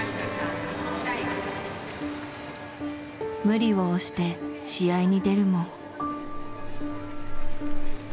無理を押して試合に出るも。